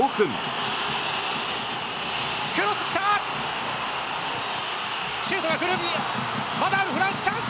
まだあるフランスチャンス！